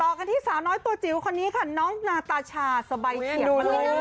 กันที่สาวน้อยตัวจิ๋วคนนี้ค่ะน้องนาตาชาสบายเฉียบมาเลย